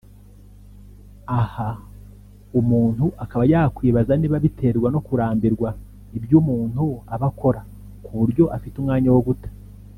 Aha umuntu akaba yakwibaza niba biterwa no kurambirwa ibyo umuntu aba akora ku buryo afite umwanya wo guta